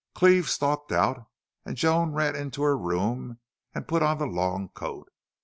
Cleve stalked out, and Joan ran into her room and put on the long coat.